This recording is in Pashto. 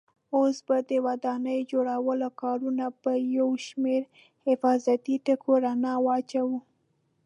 اوس به د ودانۍ جوړولو کارونو په یو شمېر حفاظتي ټکو رڼا واچوو.